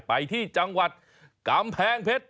ไปที่จังหวัดกำแพงเพชร